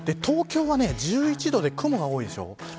東京は１１度で雲が多いでしょう。